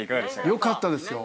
良かったですよ。